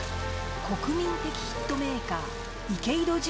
国民的ヒットメーカー池井戸潤